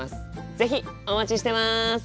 是非お待ちしてます。